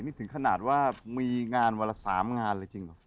นี่ถึงขนาดว่ามีงานวันละ๓งานเลยจริงเหรอ